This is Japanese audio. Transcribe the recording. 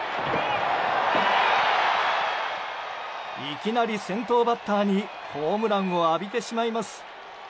いきなり先頭バッターにホームランを浴びてしまいます。